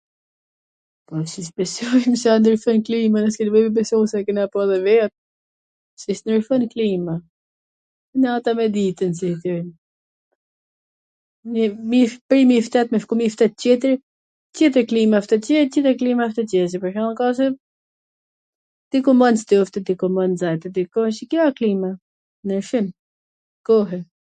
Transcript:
po si s besojm se a ndryshon klima, ne s kemi nevoj me besu se e kena pa edhe vet. Si s nryshon klima? nata me ditwn qw thojn, prej njw shtet me shku n nj shtet tjetwr, tjetwr klim asht atje, tjetwr klim asht atje, se pwr shemull, diku man ftoft diku man nxeht, diku ... kjo a klima, nryshim kohe